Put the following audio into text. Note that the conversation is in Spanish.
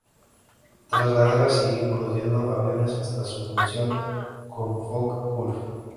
Tras la guerra siguió produciendo aviones hasta su fusión con Focke-Wulf.